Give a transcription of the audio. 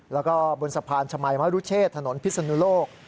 แล้วก็บนทรภารชมายหมารุเชถนนพิษนุโลก